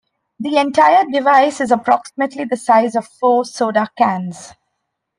The entire device is approximately the size of four soda cans.